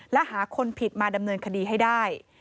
และหาคนผิดมาดำเนินคดีให้ได้